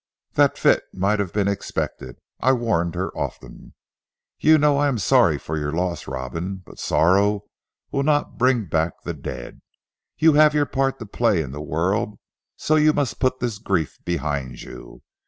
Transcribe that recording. That fit might have been expected; I warned her often. You know I am sorry for your loss Robin; but sorrow will not bring back the dead. You have your part to play in the world, so you must put this grief behind you.